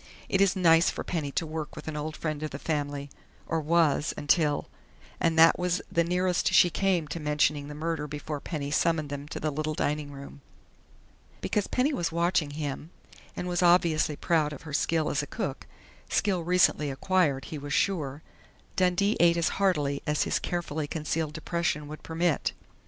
"It is nice for Penny to work with an old friend of the family, or was until " And that was the nearest she came to mentioning the murder before Penny summoned them to the little dining room. Because Penny was watching him and was obviously proud of her skill as a cook skill recently acquired, he was sure Dundee ate as heartily as his carefully concealed depression would permit.